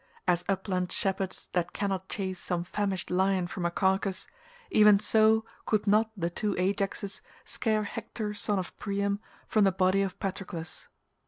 As upland shepherds that cannot chase some famished lion from a carcase, even so could not the two Ajaxes scare Hector son of Priam from the body of Patroclus.